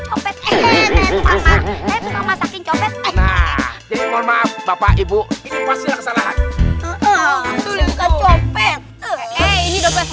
copet masakin copet nah jadi mohon maaf bapak ibu ini pasti kesalahan coba copet